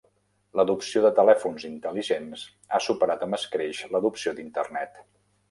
L'adopció de telèfons intel·ligents ha superat amb escreix l'adopció d'Internet.